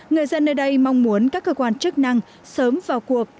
người dân nơi đây mong muốn các cơ quan chức năng sớm vào cuộc